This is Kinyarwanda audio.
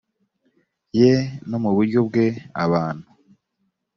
ye no mu buryo bwe abantu